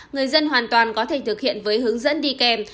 người dân hoàn toàn có thể thực hiện với hướng dẫn đi kèm